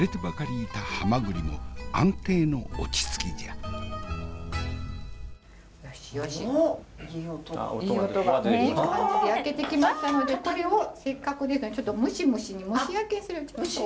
いい感じで焼けてきましたのでこれをせっかくですのでちょっと蒸し蒸しに蒸し焼きにする。